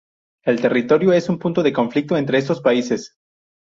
El territorio es un punto de conflicto entre estos países.